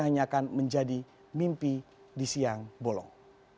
hanya akan menjadi mimpi di siang bolong